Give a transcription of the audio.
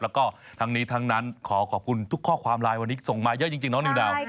แล้วก็ทั้งนี้ทั้งนั้นขอขอบคุณทุกข้อความไลน์วันนี้ส่งมาเยอะจริงน้องนิวนาว